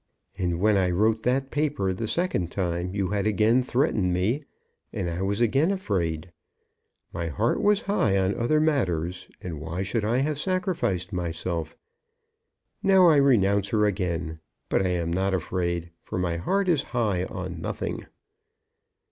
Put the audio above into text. And when I wrote that paper the second time, you had again threatened me, and I was again afraid. My heart was high on other matters, and why should I have sacrificed myself? Now I renounce her again; but I am not afraid, for my heart is high on nothing."